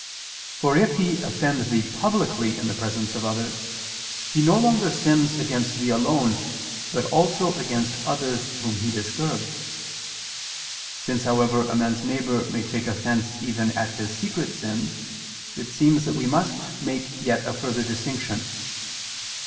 For if he offend thee publicly in the presence of others, he no longer sins against thee alone, but also against others whom he disturbs. Since, however, a man's neighbor may take offense even at his secret sins, it seems that we must make yet a further distinction.